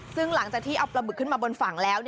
ซึ่งหลังจากที่เอาปลาบึกขึ้นมาบนฝั่งแล้ว